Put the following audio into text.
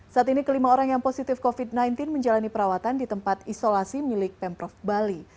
saat ini kelima orang yang positif covid sembilan belas menjalani perawatan di tempat isolasi milik pemprov bali